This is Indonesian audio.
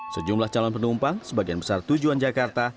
sejumlah calon penumpang sebagian besar tujuan jakarta